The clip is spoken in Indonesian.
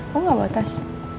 kamu gak bawa tas